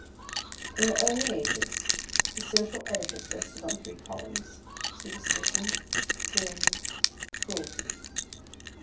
In the early ages, the social edifice rested on three columns, Superstition, Tyranny, Cruelty.